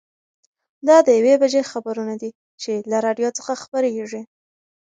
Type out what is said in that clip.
دا د یوې بجې خبرونه دي چې له راډیو څخه خپرېږي.